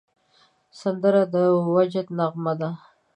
سندره د وجد نغمه ده